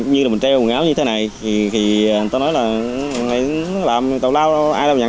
như là mình treo quần áo như thế này thì người ta nói là làm tào lao đâu ai làm nhận